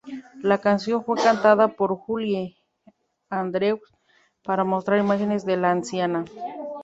La canción fue cantada por Julie Andrews para mostrar imágenes de la anciana.